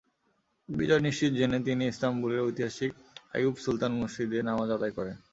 বিজয় নিশ্চিত জেনে তিনি ইস্তাম্বুলের ঐতিহাসিক আইয়ুপ সুলতান মসজিদে নামাজ আদায় করেন।